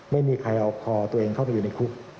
ไม่มีใครเอาคอตัวเองเข้าในคุก